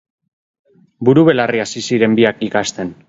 Buru-belarri hasi ziren biak ikasten.